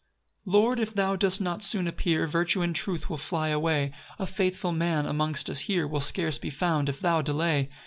1 Lord, if thou dost not soon appear, Virtue and truth will fly away; A faithful man, amongst us here, Will scarce be found if thou delay.